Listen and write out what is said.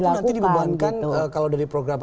itu nanti dibebankan kalau dari program